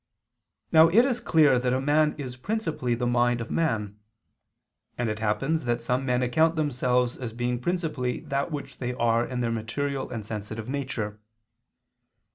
Now it is clear that man is principally the mind of man. And it happens that some men account themselves as being principally that which they are in their material and sensitive nature.